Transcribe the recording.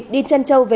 đi chăn châu về